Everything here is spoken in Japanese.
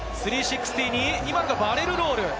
３６０に今のがバレルロール。